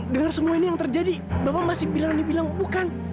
dengan semua ini yang terjadi bapak masih bilang dibilang bukan